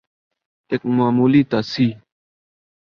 ایک معمولی تصحیح۔